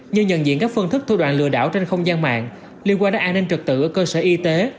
như nhận diện các phương thức thua đoạn lừa đảo trên không gian mạng liên quan đến an ninh trực tự ở cơ sở y tế